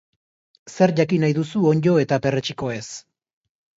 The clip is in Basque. Zer jakin nahi duzu onddo eta perretxikoez?